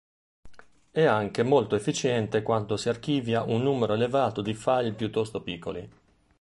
È anche molto efficiente quando si archivia un numero elevato di file piuttosto piccoli.